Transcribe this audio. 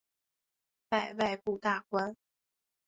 拜外部大官。